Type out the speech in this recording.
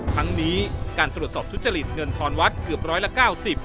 ทั้งนี้การตรวจสอบทุจริตเงินทอนวัดเกือบร้อยละเก้าสิบ